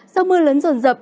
do mưa lớn rộn rập